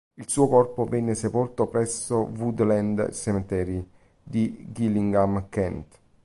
Il suo corpo venne sepolto presso il Woodlands Cemetery di Gillingham, Kent.